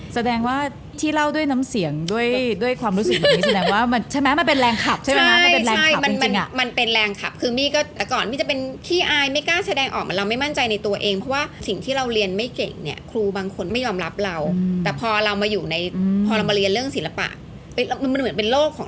แสดงว่าที่เล่าด้วยน้ำเสียงด้วยด้วยความรู้สึกแบบนี้แสดงว่ามันใช่ไหมมันเป็นแรงขับใช่ไหมคะมันเป็นแรงขับคือมี่ก็แต่ก่อนมี่จะเป็นขี้อายไม่กล้าแสดงออกมันเราไม่มั่นใจในตัวเองเพราะว่าสิ่งที่เราเรียนไม่เก่งเนี่ยครูบางคนไม่ยอมรับเราแต่พอเรามาอยู่ในพอเรามาเรียนเรื่องศิลปะมันเหมือนเป็นโรคของ